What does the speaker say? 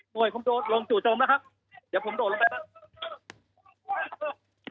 โหยผมโดดลงจุเติมนะครับเดี๋ยวผมโดดลงไปนะครับ